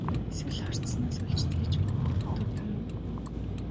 Эсвэл хардсанаас болж тэгж бодогдоно уу?